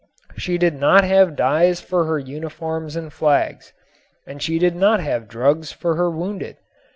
She did not have dyes for her uniforms and flags, and she did not have drugs for her wounded.